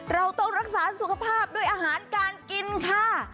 เราต้องรักษาสุขภาพด้วยอาหารการกินค่ะ